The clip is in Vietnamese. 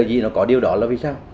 cái gì nó có điều đó là vì sao